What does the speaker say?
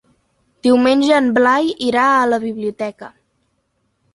Diumenge en Blai irà a la biblioteca.